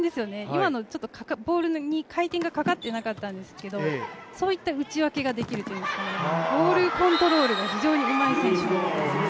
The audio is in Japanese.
今のボールに回転がかかっていなかったんですけどそういった打ち分けができるボールコントロールが非常にうまい選手です。